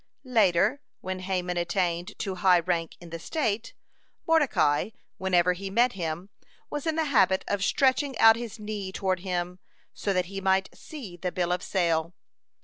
Later, when Haman attained to high rank in the state, Mordecai, whenever he met him, was in the habit of stretching out his knee toward him, so that he might see the bill of sale.